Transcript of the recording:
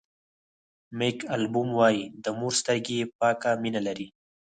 مېک البوم وایي د مور سترګې پاکه مینه لري.